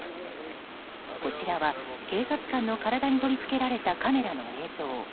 こちらは警察官の体に取り付けられたカメラの映像。